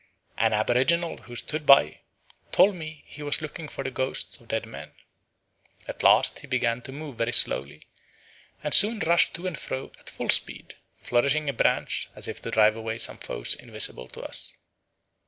An aboriginal who stood by told me he was looking for the ghosts of dead men. At last he began to move very slowly, and soon rushed to and fro at full speed, flourishing a branch as if to drive away some foes invisible to us.